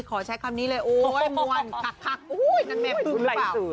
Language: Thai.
ขอใช้คำนี้เลยโอ้ยมว่นคักคักโอ้ยนั่นแบบหลายเสือ